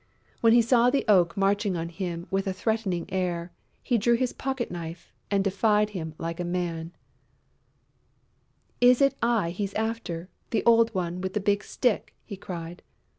When he saw the Oak marching on him with a threatening air, he drew his pocket knife and defied him like a man: "Is it I he's after, that old one, with his big stick?" he cried.